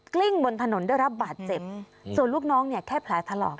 ลิ้งบนถนนได้รับบาดเจ็บส่วนลูกน้องเนี่ยแค่แผลถลอก